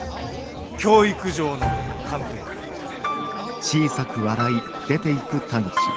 教育上の観点から言ってね。